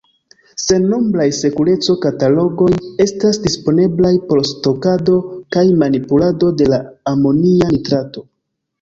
Sennombraj sekureco-katalogoj estas disponeblaj por stokado kaj manipulado de la amonia nitrato.